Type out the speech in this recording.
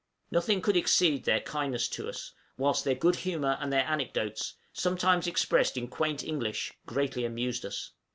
Nothing could exceed their kindness to us, whilst their good humor and their anecdotes, sometimes expressed in quaint English, greatly amused us.